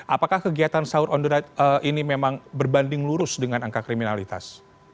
apakah kegiatan sahur on the right ini memang berbanding lurus dengan angka kriminalitas